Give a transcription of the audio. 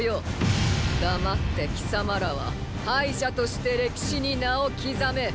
黙って貴様らは敗者として歴史に名を刻め。